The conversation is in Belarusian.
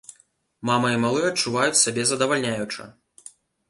Мама і малы адчуваюць сябе здавальняюча!